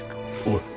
おい！